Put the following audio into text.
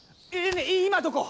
い今どこ！？